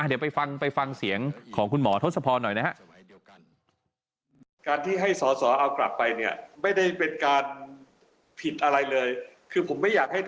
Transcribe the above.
เดี๋ยวไปฟังเสียงของคุณหมอทศพรหน่อยนะฮะ